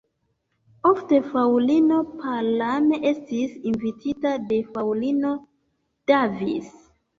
Ofte fraŭlino Palam estis invitita de fraŭlino Davis.